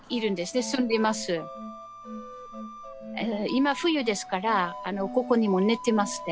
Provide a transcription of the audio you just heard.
今冬ですからここにも寝てますね。